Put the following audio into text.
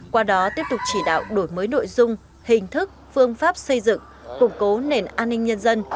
qua đó tiếp tục chỉ đạo đổi mới nội dung hình thức phương pháp xây dựng củng cố nền an ninh nhân dân